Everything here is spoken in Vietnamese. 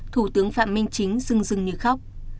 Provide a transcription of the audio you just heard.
thủ tướng phạm minh chính rưng rưng như khóc